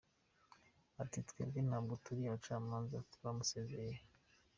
Ati “Twebwe ntabwo turi abacamanza, twamusezereye.